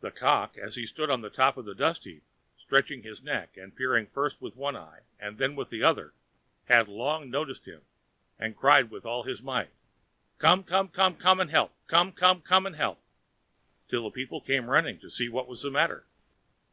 The Cock, as he stood on top of the dust heap, stretching his neck and peering first with one eye and then with the other, had long noticed him, and cried with all his might: "Come, come, come and help! Come, come, come and help!" till the people came running to see what was the matter.